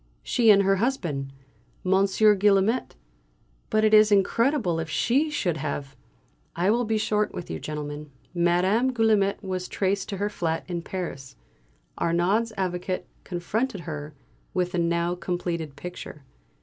She and her husband, Monsieur Guillaumet. But it is incredible if she should have " I will be short with you, gentlemen. Madame Guillaumet was traced to her flat in Paris. Arnaud's Avocat confronted her with the now completed picture.